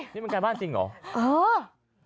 นี่มันไกลบ้านจริงเหรอ